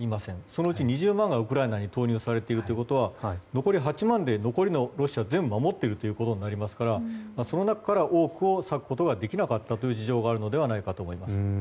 そのうち２０万人はウクライナに投入されているということは残りの８万でロシアを守ることになりますからその中から多くを割くことができなかった事情があると思います。